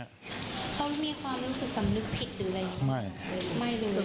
เขามีความรู้สึกสำนึกผิดหรืออะไรอย่างนี้ไม่รู้